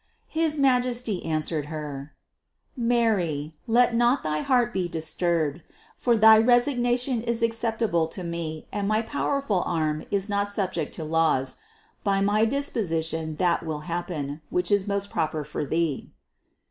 His Majesty answered her: "Mary, let not thy heart be dis turbed, for thy resignation is acceptable to Me and my powerful arm is not subject to laws; by my disposition that will happen, which is most proper for Thee."